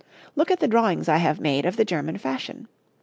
Look at the drawings I have made of the German fashion.